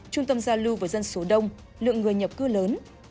trung tâm giao lưu và dân số đông lượng người nhập cư lớn